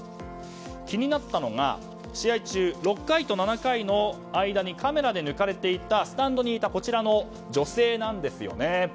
気になったのが試合中、６回と７回の間にカメラで抜かれていたスタンドにいたこちらの女性なんですよね。